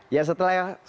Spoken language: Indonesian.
ya setelah ya